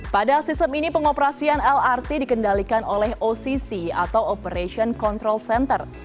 pada sistem ini pengoperasian lrt dikendalikan oleh occ atau operation control center